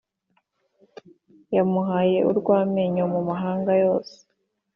Yamuhaye urwamenyo mu mahanga yose